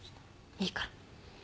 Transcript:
いいから。